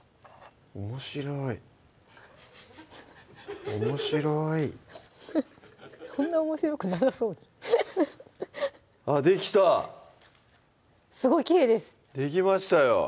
おもしろいおもしろいそんなおもしろくなさそうあっできたすごいきれいですできましたよ